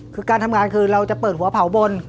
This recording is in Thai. คือการทำงานคือเราจะเปิดหัวเผาบน